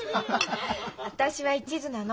私は一途なの。